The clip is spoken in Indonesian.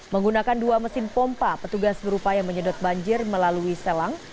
menggunakan dua mesin pompa petugas berupaya menyedot banjir melalui selang